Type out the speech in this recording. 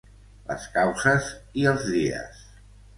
Les causes i els dies.